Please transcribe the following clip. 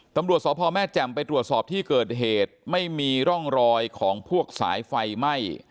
ตำรวจสพแม่แจ่มไปตรวจสอบที่เกิดเหตุไม่มีร่องรอยของพวกสายไฟไหม้